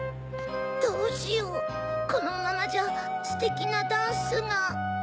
どうしようこのままじゃステキなダンスが。